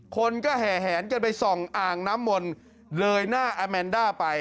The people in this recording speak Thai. คนก็แห่แหนกันไปส่องอ่างน้ำมนต์เลยหน้าอาแมนด้าไป